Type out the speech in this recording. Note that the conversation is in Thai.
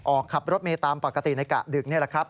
ออกขับรถเมย์ตามปกติในกะดึกนี่แหละครับ